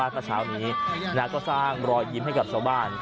เช้านี้ก็สร้างรอยยิ้มให้กับชาวบ้าน